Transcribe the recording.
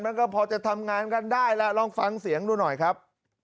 มันก็พอจะทำงานกันได้แล้วลองฟังเสียงดูหน่อยครับ